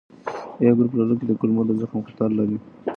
A ګروپ لرونکي د کولمو د زخم خطر لري.